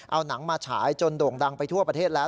เอาหนังมาฉายจนโด่งดังไปทั่วประเทศแล้ว